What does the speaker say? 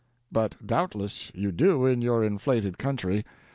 but doubtless you do in your inflated country.